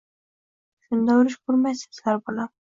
Shunda urush ko`rmaysizlar, bolam